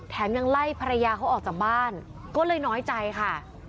ยังไล่ภรรยาเขาออกจากบ้านก็เลยน้อยใจค่ะ